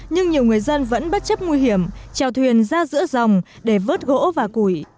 nhưng nhiều người dân vẫn bất chấp nguy hiểm trèo thuyền ra giữa dòng để vớt gỗ và củi